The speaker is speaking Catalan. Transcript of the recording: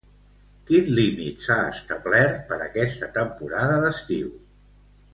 Quin límit s'ha establert per a aquesta temporada d'estiu?